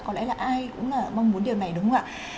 có lẽ là ai cũng là mong muốn điều này đúng không ạ